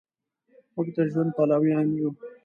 مونږ د ژوند پلویان یو